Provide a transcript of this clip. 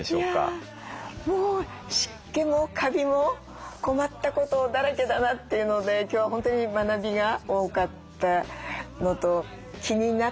いやもう湿気もカビも困ったことだらけだなっていうので今日は本当に学びが多かったのと気になったところ